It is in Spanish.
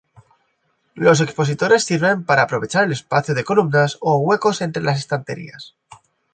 Los expositores sirven para aprovechar el espacio de columnas o huecos entre las estanterías.